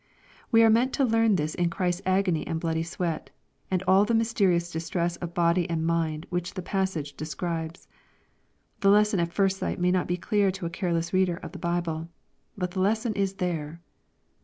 We are meant to learn this in Christ's agony and bloody sweat, and all the mysterious distress of body and mind which the passage describes. The lesson at first sight may not be clear to a careless reader of the Bible. But the lesson is there.